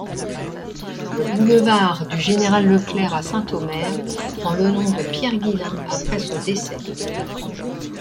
Le boulevard du Général-Leclercq à Saint-Omer prend le nom de Pierre-Guillain après son décès.